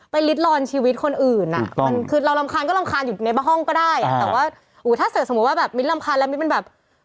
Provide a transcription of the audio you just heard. ลิดลอนชีวิตคนอื่นอ่ะมันคือเรารำคาญก็รำคาญอยู่ในบ้านห้องก็ได้อ่ะแต่ว่าอู๋ถ้าเกิดสมมุติว่าแบบมิ้นรำคาญแล้วมิ้นมันแบบ